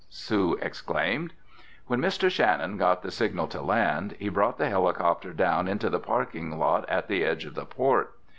Sue exclaimed. When Mr. Shannon got the signal to land, he brought the helicopter down into the parking lot at the edge of the port.